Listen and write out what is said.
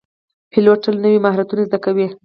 پیلوټ تل نوي مهارتونه زده کوي.